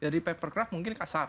jadi paper craft mungkin kasar